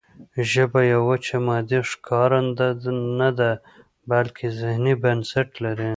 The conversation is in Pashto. ژبه یوه وچه مادي ښکارنده نه ده بلکې ذهني بنسټ لري